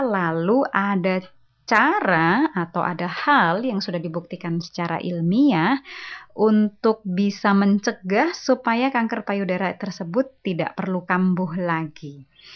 lalu ada cara atau ada hal yang sudah dibuktikan secara ilmiah untuk bisa mencegah supaya kanker payudara tersebut tidak perlu kambuh lagi